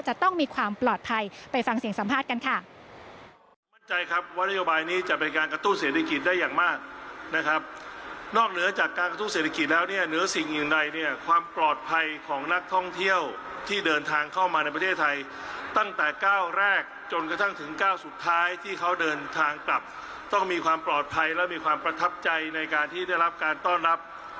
จะต้องมีความปลอดภัยไปฟังเสียงสัมภาษณ์กันค่ะ